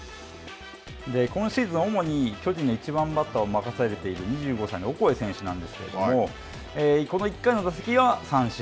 今シーズン、主に巨人の１番バッターを任されている２５歳のオコエ選手なんですけどこの１回の打席は三振。